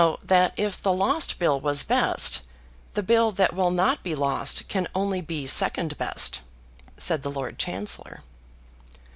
"So that if the lost bill was best, the bill that will not be lost can only be second best," said the Lord Chancellor.